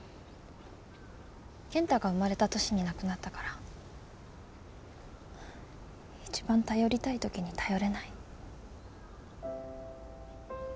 健太が生まれた年に亡くなったから一番頼りたいときに頼れない。